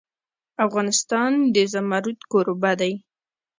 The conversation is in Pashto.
افغانستان د زمرد کوربه دی.